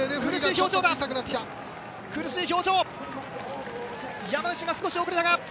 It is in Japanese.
苦しい表情だ！